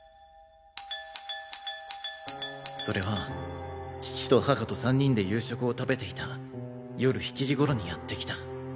それは父と母と３人で夕食を食べていた夜７時頃にやってきた。